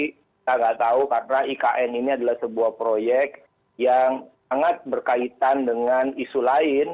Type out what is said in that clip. kita nggak tahu karena ikn ini adalah sebuah proyek yang sangat berkaitan dengan isu lain